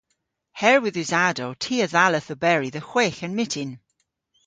Herwydh usadow ty a dhalleth oberi dhe hwegh a'n myttin.